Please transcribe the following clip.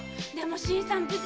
でも新さん